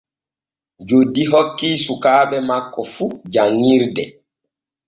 Joddi hokkii sukaaɓe makko fu janŋirde.